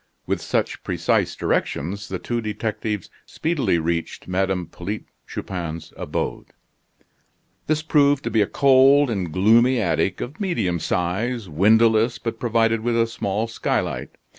With such precise directions the two detectives speedily reached Madame Polyte Chupin's abode. This proved to be a cold and gloomy attic of medium size, windowless, but provided with a small skylight.